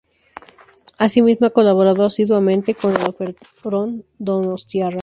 Asimismo ha colaborado asiduamente con el Orfeón Donostiarra.